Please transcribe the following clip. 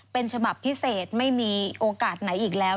เป็นฉบับพิเศษไม่มีโอกาสไหนอีกแล้ว